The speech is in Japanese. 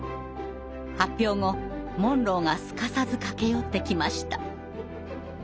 発表後モンローがすかさず駆け寄ってきました。